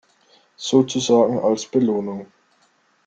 Sozusagen als Belohnung.